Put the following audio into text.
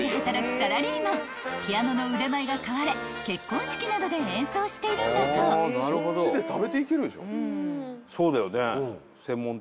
［ピアノの腕前が買われ結婚式などで演奏しているんだそう］